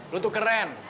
lu tuh keren